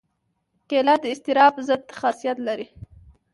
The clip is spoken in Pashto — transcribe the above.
کېله د اضطراب ضد خاصیت لري.